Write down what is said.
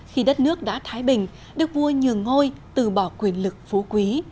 khi đất nước đã thái bình đức vua nhường ngôi từ bỏ quyền lực phú quý